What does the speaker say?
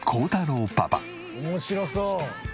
面白そう！